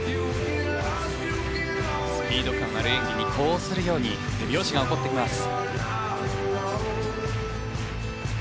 スピード感のある演技に呼応するように手拍子が起こってきます。